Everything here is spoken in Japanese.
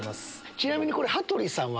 ちなみに。